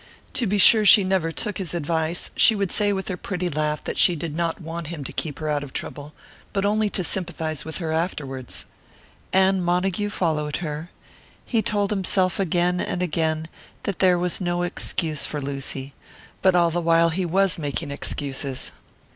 To be sure, she never took his advice; she would say, with her pretty laugh, that she did not want him to keep her out of trouble, but only to sympathise with her afterwards. And Montague followed her; he told himself again and again that there was no excuse for Lucy; but all the while he was making excuses.